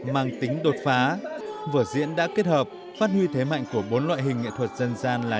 mang tính đột phá vở diễn đã kết hợp phát huy thế mạnh của bốn loại hình nghệ thuật dân gian là